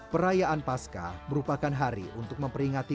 perayaan pasca merupakan hari untuk memperingati